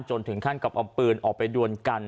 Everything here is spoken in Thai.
ถึงขั้นกับเอาปืนออกไปดวนกัน